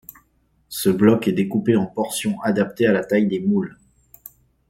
Ce bloc est découpé en portions adaptées à la taille des moules.